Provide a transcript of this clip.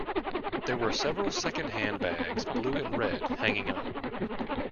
There were several second-hand bags, blue and red, hanging up.